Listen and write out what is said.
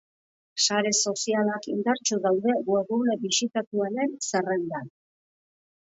Sare sozialak indartsu daude webgune bisitatuenen zerrendan.